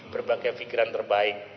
berbagai pikiran terbaik